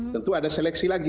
tentu ada seleksi lagi